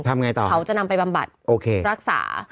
ทำอย่างไรต่อเขาจะนำไปบำบัดรักษา